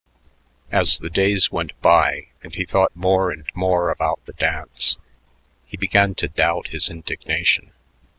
As the days went by and he thought more and more about the dance, he began to doubt his indignation.